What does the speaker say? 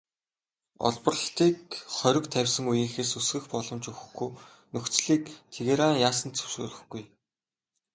Олборлолтыг хориг тавьсан үеийнхээс өсгөх боломж өгөхгүй нөхцөлийг Тегеран яасан ч зөвшөөрөхгүй.